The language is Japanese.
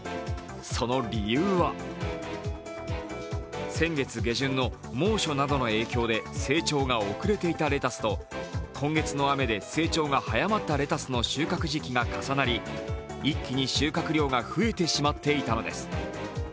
その理由は先月下旬の猛暑などの影響で成長が遅れていたレタスと今月の雨で成長が早まったレタスの収穫時期が重なり一気に収穫量が増えてしまっていたのです。